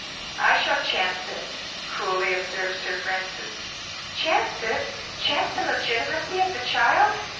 "I shall chance it," coolly observed Sir Francis. "Chance it! chance the legitimacy of the child?